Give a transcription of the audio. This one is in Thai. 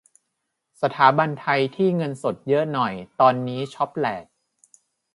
สถาบันไทยที่เงินสดเยอะหน่อยตอนนี้ช็อปแหลก